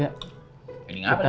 kita cuma makan pake mie instan doangan